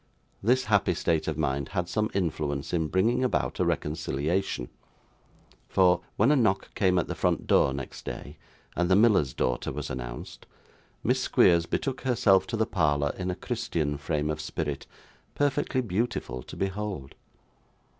This happy state of mind had some influence in bringing about a reconciliation; for, when a knock came at the front door next day, and the miller's daughter was announced, Miss Squeers betook herself to the parlour in a Christian frame of spirit, perfectly beautiful to behold.